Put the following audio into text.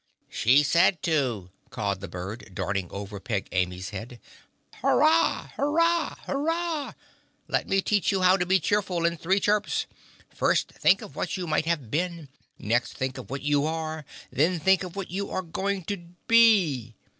"She said to," cawed the bird, darting over Peg Amy's head. "Hurrah! Hurrah! Hurrah! Let me teach you how to be cheerful in three chirps. First, think of what you might have been; next, think of what you are; then think of what you are going to be.